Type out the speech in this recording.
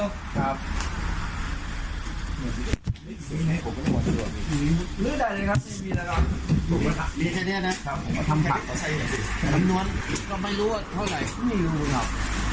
ทำผักทำน้วนก็ไม่รู้ว่าเท่าไหร่ก็ไม่รู้ครับ